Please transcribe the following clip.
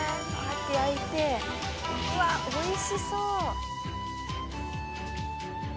やって焼いてうわおいしそう。